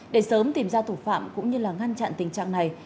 để sớm tìm ra thủ phạm cũng như là ngăn chặn tình trạng này